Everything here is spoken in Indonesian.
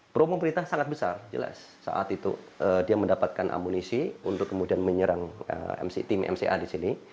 promo berita sangat besar jelas saat itu dia mendapatkan amunisi untuk kemudian menyerang tim mca di sini